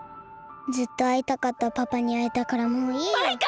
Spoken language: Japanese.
ずっとあいたかったパパにあえたからもういいよ。マイカ！